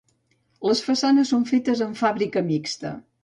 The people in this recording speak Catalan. Les façanes són fetes amb fàbrica mixta.